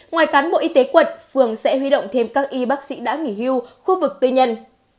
ngoài cán bộ y tế quận phường sẽ huy động thêm các y bác sĩ đã nghỉ hưu khu vực tư nhân